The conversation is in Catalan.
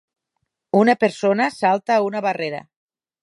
Una persona salta a una barrera